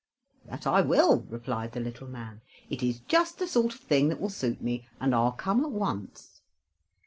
"That I will," replied the little man. "It is just the sort of thing that will suit me, and I'll come at once."